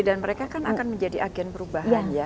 dan mereka akan menjadi agen perubahan